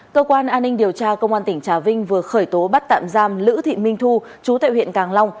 cơ quan an ninh điều tra công an tỉnh trà vinh vừa khởi tố bắt tạm giam lữ thị minh thu chú tại huyện càng long